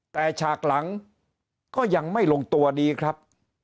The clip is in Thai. แต่ฉากหลังก็ยังไม่ลงตัวดีครับ